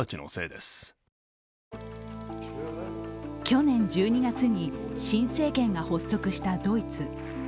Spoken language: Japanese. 去年１２月に新政権が発足したドイツ。